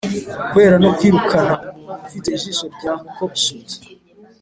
kwera no kwirukana, umuntu ufite ijisho rya cockshut,